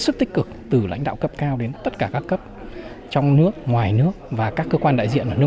sức tích cực từ lãnh đạo cấp cao đến tất cả các cấp trong nước ngoài nước và các cơ quan đại diện ở nước